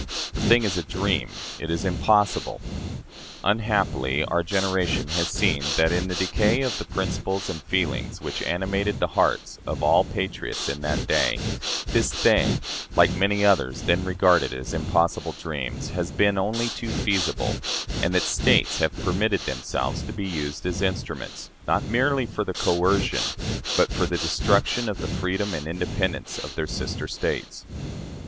The thing is a dream it is impossible." Unhappily, our generation has seen that, in the decay of the principles and feelings which animated the hearts of all patriots in that day, this thing, like many others then regarded as impossible dreams, has been only too feasible, and that States have permitted themselves to be used as instruments, not merely for the coercion, but for the destruction of the freedom and independence of their sister States.